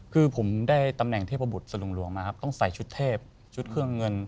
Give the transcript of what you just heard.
คือผมได้ตำแหน่งเทพบุตรสลุงหลวงมาครับต้องใส่ชุดเทพชุดเครื่องเงิน